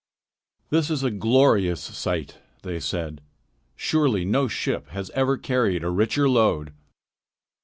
"This is a glorious sight," they said. "Surely no ship ever carried a richer load.